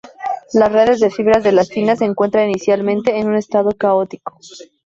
Las redes de fibras de elastina se encuentran inicialmente en un estado "caótico".